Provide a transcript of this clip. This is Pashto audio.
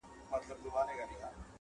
د سپینو ژړو او د سرو ګلونو -